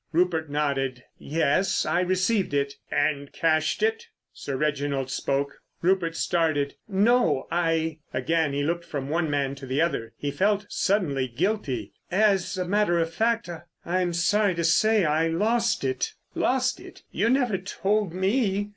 Rupert nodded. "Yes, I received it." "And cashed it?" Sir Reginald spoke. Rupert started. "No, I——" Again he looked from one man to the other. He felt suddenly guilty. "As a matter of fact, I'm sorry to say I lost it." "Lost it? You never told me."